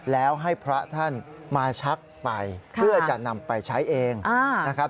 แล้วให้พระท่านมาชักไปเพื่อจะนำไปใช้เองนะครับ